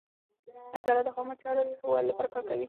اداره د عامه چارو د ښه والي لپاره کار کوي.